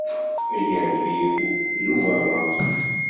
Agerfiw d ubareɣ.